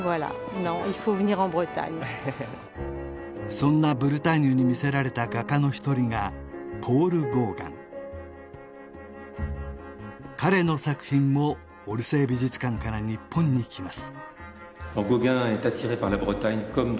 そんなブルターニュに魅せられた画家の一人がポール・ゴーガン彼の作品もオルセー美術館から日本に来ます